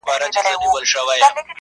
زما د ژوند تيارې ته لا ډېوه راغلې نه ده~